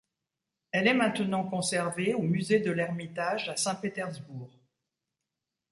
Elle est maintenant conservé au musée de l'Ermitage à Saint-Pétersbourg.